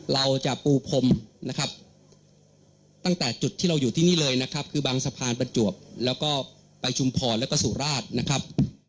เราจะปูพรมนะครับตั้งแต่จุดที่เราอยู่ที่นี่เลยนะครับคือบางสะพานประจวบแล้วก็ไปชุมพรแล้วก็สุราชนะครับ